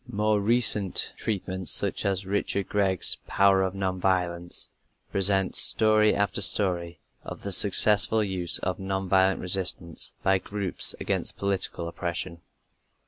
More recent treatments such as Richard Gregg's Power of Non Violence present story after story of the successful use of non violent resistance by groups against political oppression.